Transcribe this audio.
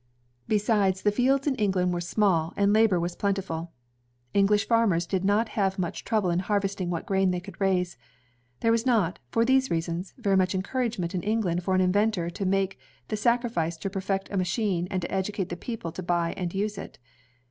Besides, the fields in England were small, and CYRUS H. MCCORMICK 147 labor was plentifulf English farmers did not have much trouble in harvesting what grain they could raise. There was not, for these reasons, very much encouragement in England* for an inventor to make the sacrifice to perfect a machine and to educate the people to buy and use it.